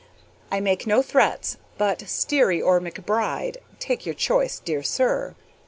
I make no threats, but Sterry or McBride take your choice, dear sir.